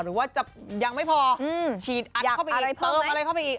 หรือว่าจะยังไม่พอฉีดอัดเข้าไปเติมอะไรเข้าไปอีก